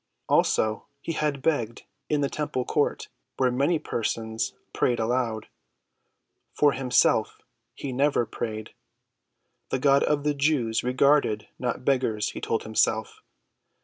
Also, he had begged in the temple court, where many persons prayed aloud. For himself, he never prayed. The God of the Jews regarded not beggars, he told himself.